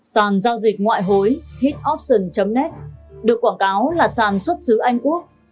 sàn giao dịch ngoại hối hitoption net được quảng cáo là sàn xuất xứ anh quốc